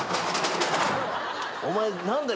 お前何だよ？